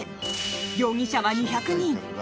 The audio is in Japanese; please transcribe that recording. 容疑者は２００人。